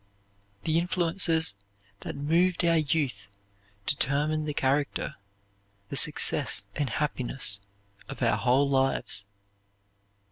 The influences that moved our youth determine the character, the success and happiness of our whole lives.